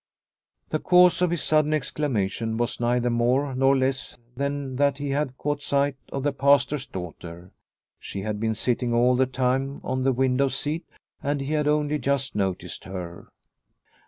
The cause of his sudden exclamation was neither more nor less than that he had caught sight of the Pastor's daughter. She had been sitting all the time on the window seat and he had only just noticed her.